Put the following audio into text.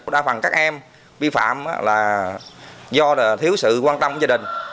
đa phần các em vi phạm là do thiếu sự quan tâm của gia đình